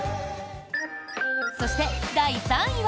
そして、第３位は。